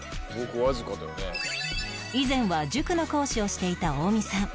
以前は塾の講師をしていた近江さん